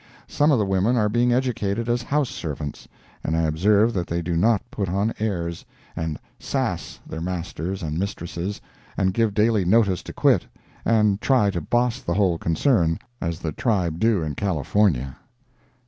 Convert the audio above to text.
Some of the women are being educated as house servants, and I observe that they do not put on airs, and "sass" their masters and mistresses, and give daily notice to quit, and try to boss the whole concern, as the tribe do in California.